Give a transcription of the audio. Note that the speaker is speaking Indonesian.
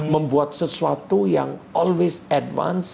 membuat sesuatu yang selalu advance